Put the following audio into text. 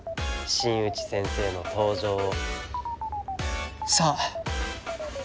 新内先生の登場を」。